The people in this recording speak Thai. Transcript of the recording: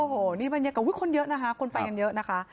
โอ้โหนี่บรรยากาศคนเยอะนะคะคนไปกันเยอะนะคะ